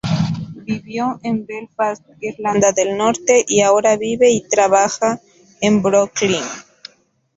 Vivió en Belfast, Irlanda del Norte y ahora vive y trabaja en Brooklyn.